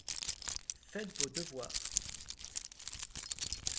Faites vos devoirs.